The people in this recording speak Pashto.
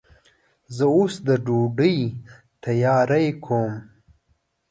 زه اوس د ډوډۍ تیاری کوم.